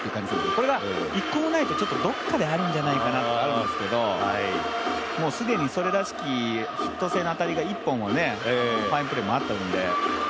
これが１個もないとどこかであるんじゃないかとなるんですけどもう既にそれらしき、ヒット性の当たりが１本ファインプレーもあったもんで。